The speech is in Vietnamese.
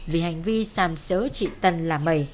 vì hành vi xàm xỡ chị tận là mày